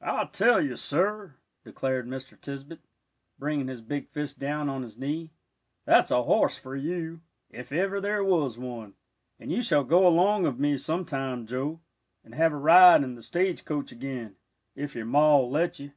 "I tell you, sir," declared Mr. Tisbett, bringing his big fist down on his knee, "that's a horse for you, ef ever there was one. And you shall go along of me sometime, Joe, and have a ride in th' stage coach again, if your Ma'll let you."